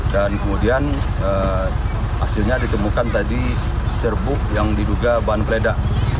dan kemudian hasilnya ditemukan tadi serbuk yang diduga bahan peledak